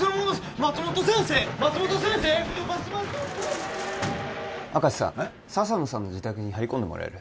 松本先生明石さん笹野さんの自宅に張り込んでもらえる？